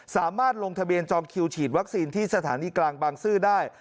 สามารถลงทะเบียนจองคิวฉีดวัคซีนที่สถานีกลางบางซื่อได้